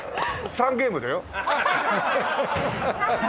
３ゲームだよ。